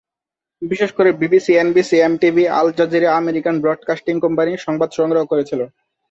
বিশেষ করে BBC, NBC, MTV, Al Jazeera, American broadcasting company সংবাদ সংগ্রহ করেছিলো।